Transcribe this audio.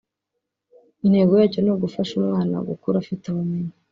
Intego yacyo ni ugufasha umwana gukura afite ubumenyi